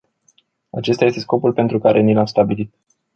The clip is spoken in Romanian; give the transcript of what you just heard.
Acesta este scopul pe care ni l-am stabilit.